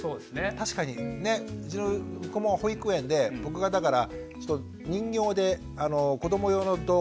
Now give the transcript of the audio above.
確かにねうちの子も保育園で僕がだから人形で子ども用の動画